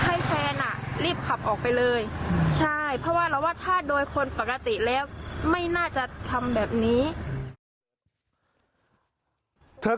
ใช่เพราะว่าเราว่าถ้าโดยคนปกติแล้วไม่น่าจะทำแบบนี้